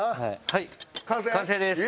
はい完成です。